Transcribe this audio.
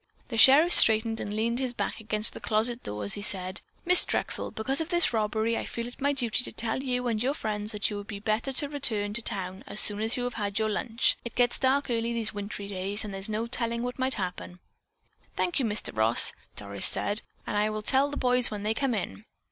The sheriff straightened and leaned his back against the closet door as he said: "Miss Drexel, because of this robbery, I feel it my duty to tell you and your friends that you would better return to town as soon as you have had your lunch. It gets dark early these wintry days and there's no telling what might happen." "Thank you, Mr. Ross." Doris said, "I will tell the boys when they come in."